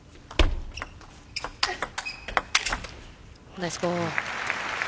ナイスボール。